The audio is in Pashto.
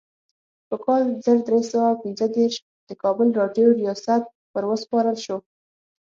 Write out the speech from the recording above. په کال زر درې سوه پنځه دیرش د کابل راډیو ریاست وروسپارل شو.